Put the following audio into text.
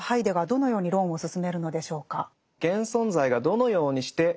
どのように論を進めるのでしょうか？